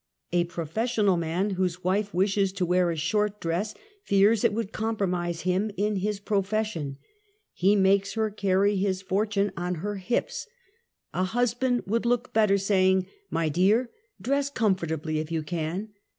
^ A professional man whose wife wishes to wear a short dress fears it would compromise him in his pro fession. He makes her carry his fortune on her hips. 102 UNMASKED. A liiisbancl would look better saying, "my dear, dress comfortably if you can.